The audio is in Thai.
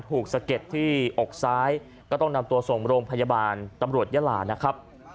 ถูกสะเก็ดที่อกซ้ายก็ต้องนำตัวสมโรงพยาบาลตรญาลาฯ